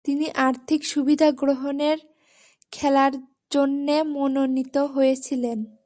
তিনি আর্থিক সুবিধা গ্রহণের খেলার জন্যে মনোনীত হয়েছিলেন।